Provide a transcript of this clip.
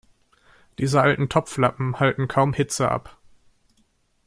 Diese alten Topflappen halten kaum Hitze ab.